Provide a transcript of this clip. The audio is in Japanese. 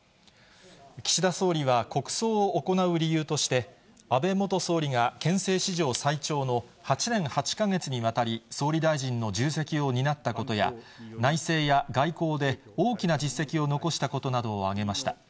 岸田総理は国葬を行う理由として、安倍元総理が憲政史上最長の８年８か月にわたり総理大臣の重責を担ったことや、内政や外交で大きな実績を残したことなどを挙げました。